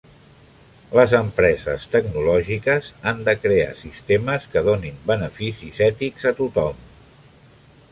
Les empreses tecnològiques han de crear sistemes que donin beneficis ètics a tothom.